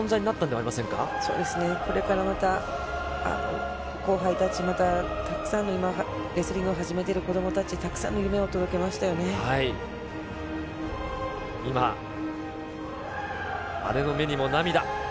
そうですね、これからまた、後輩たち、またたくさんのレスリングを始めている子どもたちに、たくさんの今、姉の目にも涙。